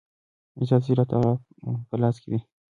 عزت ذلت دالله په لاس کې دی